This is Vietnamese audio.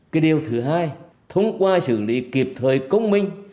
cái điều thứ hai thông qua xử lý kịp thời công minh